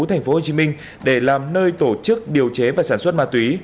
thành phố hồ chí minh để làm nơi tổ chức điều chế và sản xuất ma túy